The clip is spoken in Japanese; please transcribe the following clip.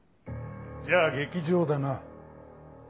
じゃあ劇場だな。